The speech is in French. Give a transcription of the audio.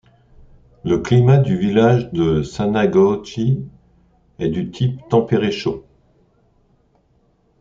Le climat du village de Sanagōchi est du type tempéré chaud.